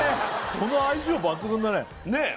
この相性抜群だねねえ